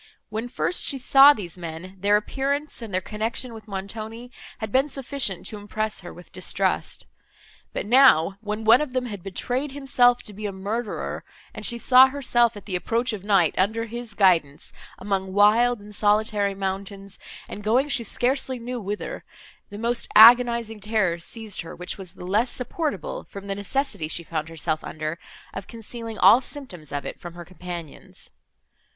When first she saw these men, their appearance and their connection with Montoni had been sufficient to impress her with distrust; but now, when one of them had betrayed himself to be a murderer, and she saw herself, at the approach of night, under his guidance, among wild and solitary mountains, and going she scarcely knew whither, the most agonizing terror seized her, which was the less supportable from the necessity she found herself under of concealing all symptoms of it from her companions.